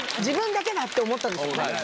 自分だけだって思ったんでしょうね。